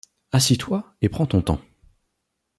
Assieds-toi et prends ton temps.